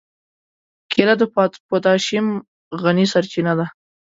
کېله د پوتاشیم غني سرچینه ده.